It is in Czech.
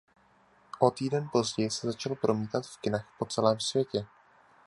O týden později se začal promítán v kinech po celém světě.